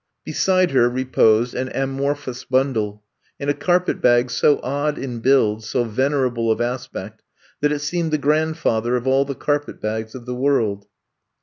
Beside her reposed an amorphous bundle, and a carpet bag so odd in build, so venerable of aspect, that it seemed the grandfather of all the carpet bags of the world.